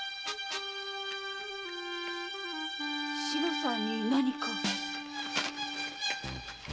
志乃さんに何か。